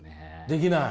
できない？